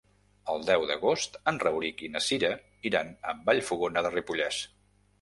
El deu d'agost en Rauric i na Cira iran a Vallfogona de Ripollès.